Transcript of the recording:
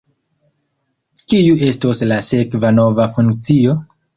Kiu estos la sekva nova funkcio?